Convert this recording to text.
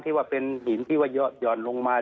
ที่ว่าเป็นหินที่ว่ายอดยอดลงมา